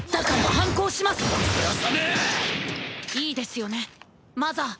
いいですよねマザー。